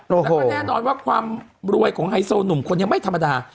แล้วก็แน่นอนว่าความรวยของไฮโซหนุ่มคนยังไม่ธรรมดา